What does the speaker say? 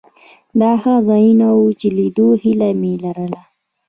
دا هغه ځایونه وو چې د لیدو هیله مې لرله.